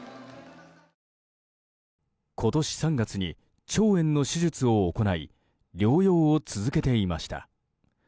今年３月に、腸炎の手術を行い療養を続けていました。